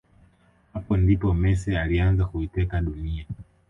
Hapa ndipo Messi alianza kuiteka dunia